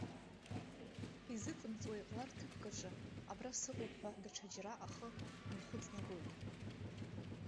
Изыҵымҵуа иҟалар ҭыԥк аҿы, абра сыҟоуп ҳәа, даҽаџьара ахы нхәыҵнагоит.